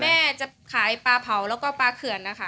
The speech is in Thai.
แม่จะขายปลาเผาแล้วก็ปลาเขื่อนนะคะ